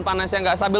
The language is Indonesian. panasnya tidak stabil